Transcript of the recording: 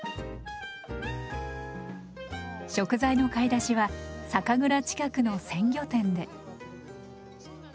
食材の買い出しは酒蔵近くの鮮魚店で。